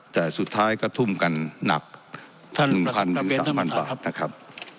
แต่สุดท้ายก็ทุ่มกันนับหนึ่งพันถึงสามพันบาทนะครับ